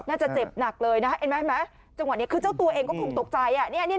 น่าจะเจ็บหนักเลยนะฮะเจ้าตัวเองก็คงตกใจ